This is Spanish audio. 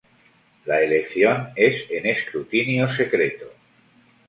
La elección es en escrutinio secreto.